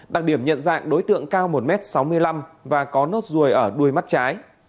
đặc điểm nhận dạng đối tượng cao một m sáu mươi năm và có nốt ruồi ở đuôi mắt trái